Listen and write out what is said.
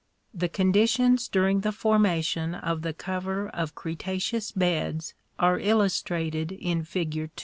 The conditions during the formation of the cover of Cretaceous beds are illustrated in fig.